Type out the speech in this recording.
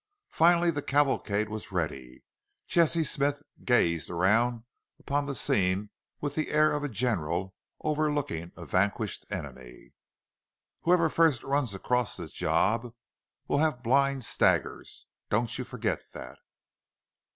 Finally the cavalcade was ready; Jesse Smith gazed around upon the scene with the air of a general overlooking a vanquished enemy. "Whoever fust runs acrost this job will have blind staggers, don't you forgit thet!"